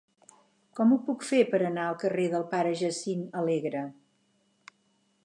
Com ho puc fer per anar al carrer del Pare Jacint Alegre?